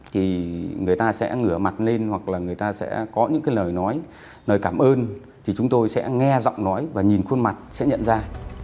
thì người ta sẽ ngửa mặt lên hoặc là người ta sẽ có những cái lời nói lời cảm ơn thì chúng tôi sẽ nghe giọng nói và nhìn khuôn mặt sẽ nhận ra